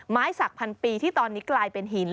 สักพันปีที่ตอนนี้กลายเป็นหิน